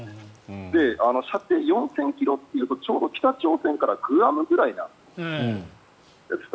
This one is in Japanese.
射程４０００ｋｍというとちょうど北朝鮮からグアムぐらいなんですね。